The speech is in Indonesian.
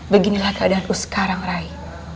beginilah keadaanmu sekarang rai